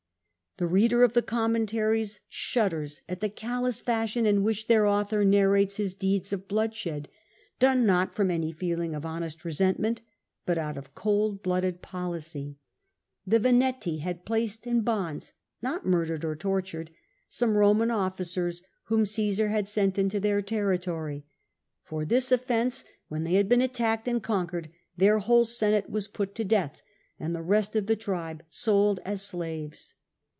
The reader of the Commentaries shudders at the callous fashion in which their author narrates his deeds of bloodshed, done not from any feeling of honest resentment but out of cold blooded policy. ^ The Veneti had placed in bonds (not murdered or tortured) some ' Eoman officers whom Caesar had sent into their territory. For this offence, when they had been attacked and conquered, their whole Senate was put to death, and the rest of the tribe sold as slaves.